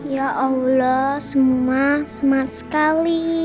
ya allah semua semangat sekali